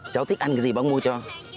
cháu thích ăn cái gì bác mua cho